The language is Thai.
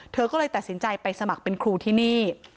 เธอก็เลยตัดสินใจไปสมัครเป็นครูที่นี่